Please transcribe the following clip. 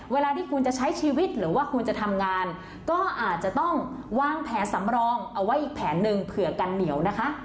เวลาที่คุณจะใช้ชีวิตหรือว่าคุณจะทำงานก็อาจจะต้องวางแผนสำรองเอาไว้อีกแผนหนึ่งเผื่อกันเหนียวนะคะ